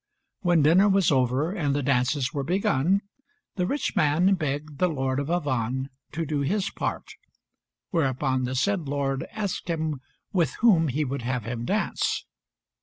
When dinner was over and the dances were begun, the rich man begged the Lord of Avannes to do his part, whereupon the said lord asked him with whom he would have him dance.